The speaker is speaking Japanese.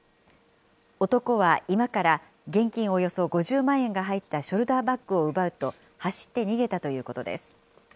男は今から現金およそ５０万円が入ったショルダーバッグを奪うと、走って逃げたということです。